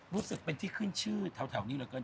รู้สึกเป็นที่ขึ้นชื่อแถวนี้เหลือเกิน